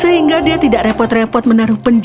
sehingga dia tidak repot repot menaruh